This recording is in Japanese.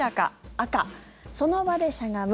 赤、その場でしゃがむ。